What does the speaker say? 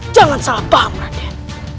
jangan salah paham raden